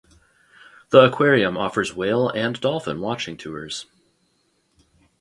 The aquarium offers whale and dolphin watching tours.